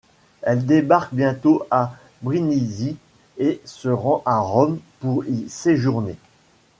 Elle débarque bientôt à Brindisi et se rend à Rome pour y séjourner.